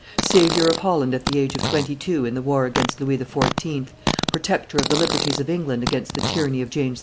Savior of Holland at the age of twenty two in the war against Louis XIV., protector of the liberties of England against the tyranny of James II.